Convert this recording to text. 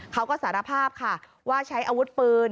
เขาก็สารภาพค่ะว่าใช้อาวุธปืน